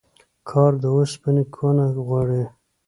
کار د اوسپني کونه غواړي.